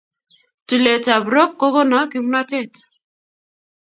tulet ap rock kokono kimnatet